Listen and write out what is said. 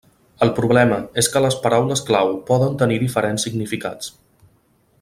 El problema és que les paraules clau poden tenir diferents significats.